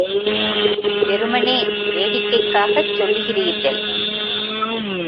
வெறுமனே வேடிக்கைக்காகச் சொல்லுகிறீர்கள்.